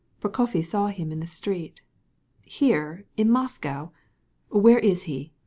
"Prokofy saw him in the street." "Here in Moscow? Where is he?